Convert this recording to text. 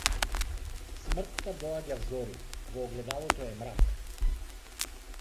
Смртта доаѓа взори, во огледалото е мрак.